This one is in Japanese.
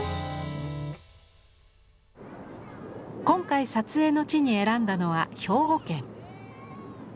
今回撮影の地に選んだのは兵庫県。